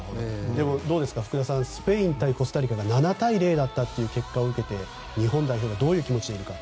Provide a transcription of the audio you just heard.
でも、福田さんスペイン対コスタリカが７対０だったという結果を受けて日本代表がどういう気持ちでいるか。